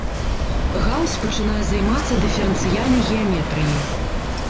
Гаус пачынае займацца дыферэнцыяльнай геаметрыяй.